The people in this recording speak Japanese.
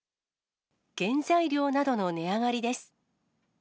原材料などの値上がりです。